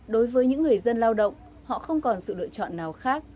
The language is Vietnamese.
đối với những người dân lao động họ không còn sự lựa chọn nào khác